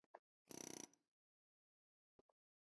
Kichwa huelekezwa nyuma kwa ajili ya kuvuta pumzi